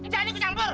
jangan ikut campur